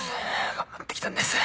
頑張ってきたんです